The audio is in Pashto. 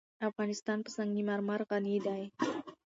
افغانستان په سنگ مرمر غني دی.